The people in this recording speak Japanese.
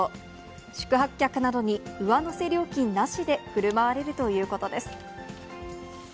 宿泊客などに上乗せ料金なしでふるまわれるということです。